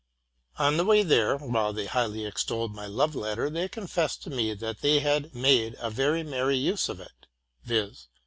On the way there, while they highly extolled my love let ter, they confessed to me that they had made a very merry use of it; viz.